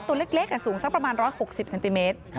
ตัวเล็กสูงสักประมาณ๑๖๐เซนติเมตร